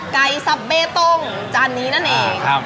สับเบตงจานนี้นั่นเอง